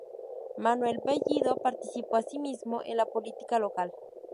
Manuel Bellido participó asimismo en la política local.